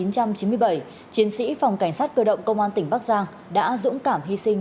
chiến sĩ phòng cảnh sát cơ động công an tỉnh bắc giang đã dũng cảm hy sinh